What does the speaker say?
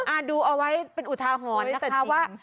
อ่าดูเอาไว้เป็นอุทาหวนนะคะว่า